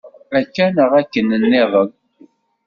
Akka neɣ akken-nniḍen.